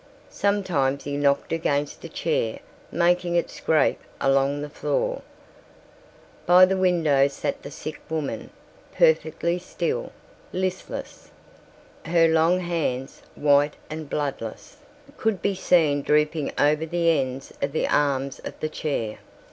Sometimes he knocked against a chair, making it scrape along the floor. By the window sat the sick woman, perfectly still, listless. Her long hands, white and bloodless, could be seen drooping over the ends of the arms of the chair.